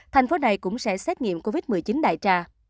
thành phố này cũng sẽ xét nghiệm covid một mươi chín đại trà